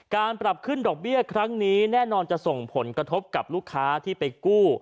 การปรับขึ้นดอกเบี้ยครั้งนี้แน่นอนจะส่งผลกระทบกับลูกค้าที่ไปกู้